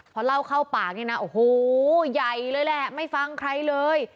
พอเล่าเข้าปากนี่นะโอ้โหใหญ่เลยแหละไม่ฟังใครเลย